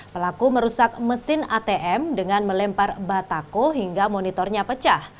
pelaku merusak mesin atm dengan melempar batako hingga monitornya pecah